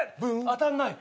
当たんない。